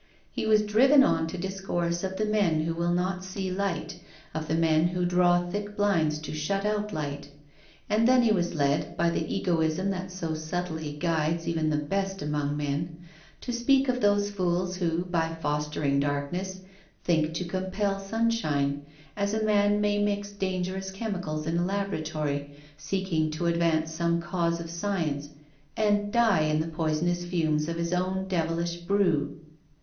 He was driven on to dis course of the men who will not see light, of the men who draw thick blinds to shut out light. And then he was led, by the egoism that so subtly guides even the best among men, to speak of those fools who, by fostering darkness, think to compel sunshine, as a man may mix dangerous chemicals in a laboratory, seeking to advance some cause of science and die in the poisonous fumes of his own devilish brew.